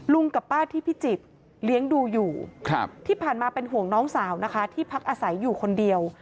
กับป้าที่พิจิตรเลี้ยงดูอยู่ที่ผ่านมาเป็นห่วงน้องสาวนะคะที่พักอาศัยอยู่คนเดียว